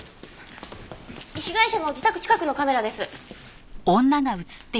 被害者の自宅近くのカメラです。